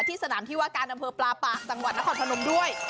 ที่สนามที่ว่าการอำเภอปลาปากจังหวัดนครพนมด้วย